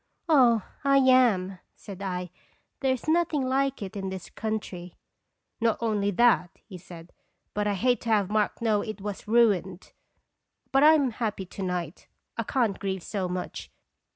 " Oh, I am!" said I. "There is nothing like it in this country." "Not only that," he said, "but I hate to have Mark know it is ruined. But I 'm so happy to night I can't grieve so much.